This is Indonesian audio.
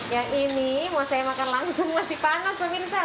yang ini mau saya makan langsung masih panas pemirsa